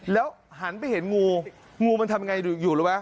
แล้วหันไปเห็นงูงูมันทำไงอยู่ละวะ